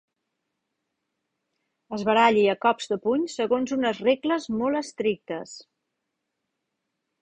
Es baralli a cops de puny segons unes regles molt estrictes.